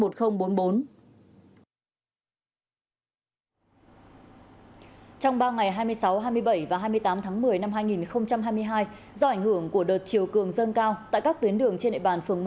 trong ba ngày hai mươi sáu hai mươi bảy và hai mươi tám tháng một mươi năm hai nghìn hai mươi hai do ảnh hưởng của đợt chiều cường dâng cao tại các tuyến đường trên nệ bàn phường một